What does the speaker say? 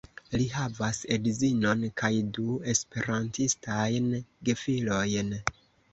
Li havas edzinon kaj du esperantistajn gefilojn.